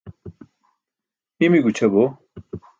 Imi gućʰabo.